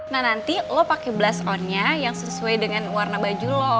nah nanti lo pakai blast on nya yang sesuai dengan warna baju lo